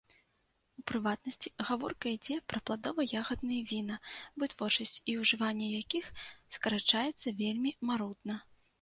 У прыватнасці, гаворка ідзе пра пладова-ягадныя віна, вытворчасць і ўжыванне якіх скарачаецца вельмі марудна.